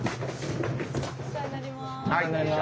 お世話になります。